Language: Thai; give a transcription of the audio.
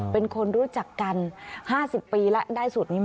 เป็นคนรู้จักกัน๕๐ปีแล้วได้สูตรนี้มา